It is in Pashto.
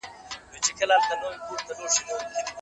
د سیند برکت خلک د وچکالۍ د ستونزو ژغوري.